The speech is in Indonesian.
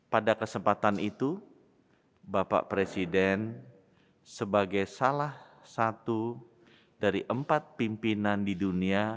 pada kesempatan itu bapak presiden sebagai salah satu dari empat pimpinan di dunia